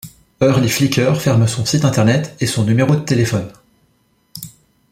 Early Flicker ferme son site internet et son numéro de téléphone.